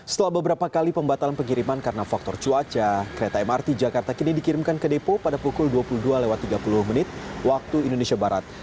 setelah beberapa kali pembatalan pengiriman karena faktor cuaca kereta mrt jakarta kini dikirimkan ke depo pada pukul dua puluh dua tiga puluh menit waktu indonesia barat